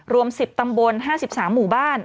รวม๑๐ตำบล๕๓หมู่บ้าน